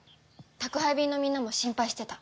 宅配便のみんなも心配してた。